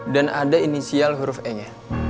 dan ada inisial huruf e nya